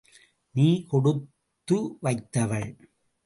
நீ கொடுத்து வைத்தவள்!